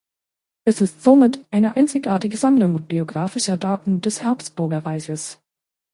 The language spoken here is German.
Es ist somit eine einzigartige Sammlung biografischer Daten des Habsburgerreiches.